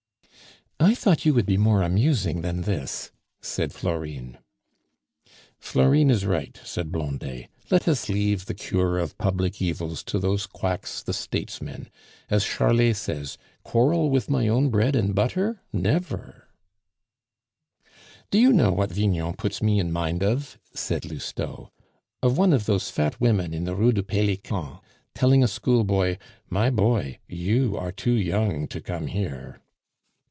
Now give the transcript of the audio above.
"I thought you would be more amusing than this!" said Florine. "Florine is right," said Blondet; "let us leave the cure of public evils to those quacks the statesmen. As Charlet says, 'Quarrel with my own bread and butter? Never!'" "Do you know what Vignon puts me in mind of?" said Lousteau. "Of one of those fat women in the Rue du Pelican telling a schoolboy, 'My boy, you are too young to come here.